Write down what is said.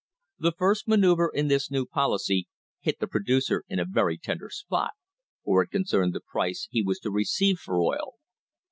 The first manoeuvre in this new policy hit the producer in a very tender spot, for it concerned the price he was to receive for oil.